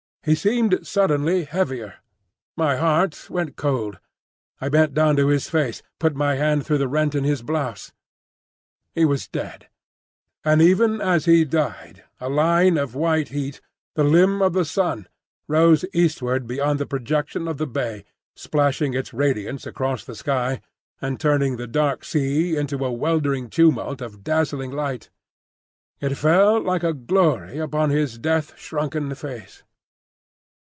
He seemed suddenly heavier. My heart went cold. I bent down to his face, put my hand through the rent in his blouse. He was dead; and even as he died a line of white heat, the limb of the sun, rose eastward beyond the projection of the bay, splashing its radiance across the sky and turning the dark sea into a weltering tumult of dazzling light. It fell like a glory upon his death shrunken face.